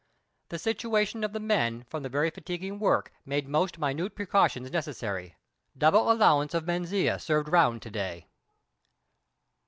The situation of the men from the very fatiguing work made most minute precautions necessary. Double allowance of Manzanilla served round to day.